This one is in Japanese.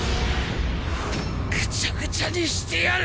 ぐちゃぐちゃにしてやる。